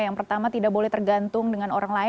yang pertama tidak boleh tergantung